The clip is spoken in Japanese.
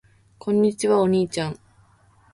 こんにちは。お兄ちゃん。